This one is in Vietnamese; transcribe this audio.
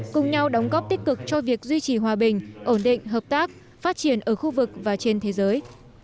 cùng nhau đóng góp tích cực cho việc duy trì hòa bình ổn định hợp tác phát triển ở khu vực và trên thế giới